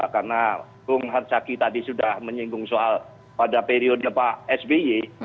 karena tung harjaki tadi sudah menyinggung soal pada periode pak sby